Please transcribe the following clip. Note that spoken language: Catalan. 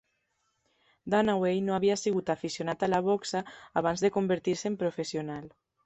Dunaway no havia sigut aficionat a la boxa abans de convertir-se en professional.